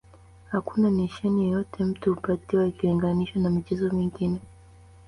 Hakuna nishani yoyote mtu hupatiwa ikilinganishwa na michezo mingine